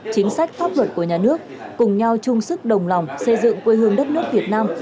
chính sách pháp luật của nhà nước cùng nhau chung sức đồng lòng xây dựng quê hương đất nước việt nam